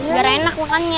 biar enak makannya